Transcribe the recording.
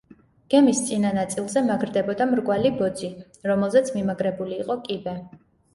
გემის წინა ნაწილზე მაგრდებოდა მრგვალი ბოძი, რომელზეც მიმაგრებული იყო კიბე.